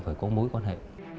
phải có mối quan hệ